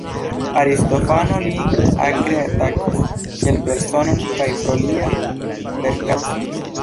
Aristofano lin akre atakis kiel personon kaj pro lia verkado-stilo.